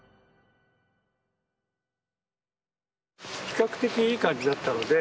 比較的いい感じだったので。